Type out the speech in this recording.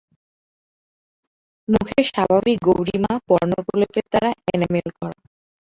মুখের স্বাভাবিক গৌরিমা বর্ণপ্রলেপের দ্বারা এনামেল-করা।